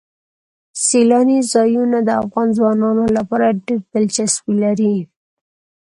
سیلاني ځایونه د افغان ځوانانو لپاره ډېره دلچسپي لري.